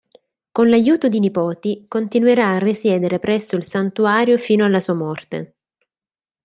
Con l'aiuto di nipoti continuerà a risiedere presso il santuario fino alla sua morte.